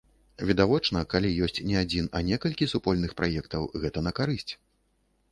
Відавочна, калі ёсць не адзін, а некалькі супольных праектаў, гэта на карысць.